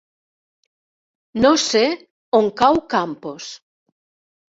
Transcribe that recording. No sé on cau Campos.